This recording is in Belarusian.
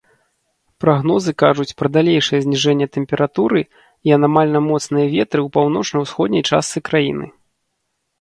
Прагнозы кажуць пра далейшае зніжэнне тэмпературы і анамальна моцныя ветры ў паўночна-ўсходняй частцы краіны.